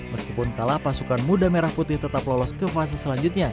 meskipun kalah pasukan muda merah putih tetap lolos ke fase selanjutnya